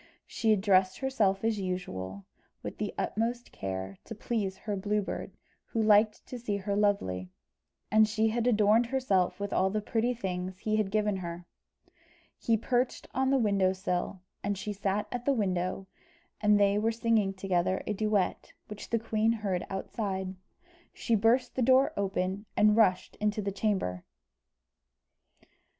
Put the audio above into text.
She had dressed herself as usual, with the utmost care, to please her Blue Bird, who liked to see her lovely; and she had adorned herself with all the pretty things he had given her. He perched on the window sill, and she sat at the window, and they were singing together a duet, which the queen heard outside. She burst the door open, and rushed into the chamber.